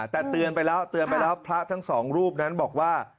แต่เตือนไปแล้วพระทั้งสองรูปนั้นบอกว่า